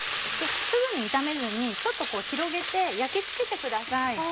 すぐに炒めずにちょっと広げて焼き付けてください。